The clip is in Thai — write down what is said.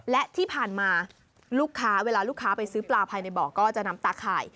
และที่ผ่านมาลูกค้าเวลาลูกค้าไปซื้อปลาภายในบ่อก็จะนำตาข่าย